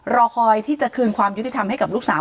รอคอยที่จะคืนความยุติธรรมให้กับลูกสาว